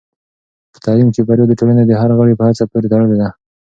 په تعلیم کې بریا د ټولنې د هر غړي په هڅه پورې تړلې ده.